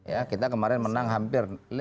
ya kita kemarin menang hampir